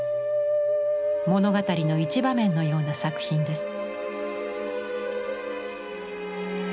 物語の一場面のような作品です。